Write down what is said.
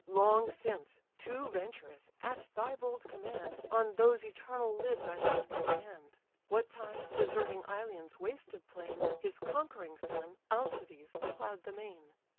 Long since, too venturous, at thy bold command, On those eternal lids I laid my hand; What time, deserting Ilion's wasted plain, His conquering son, Alcides, plough'd the main.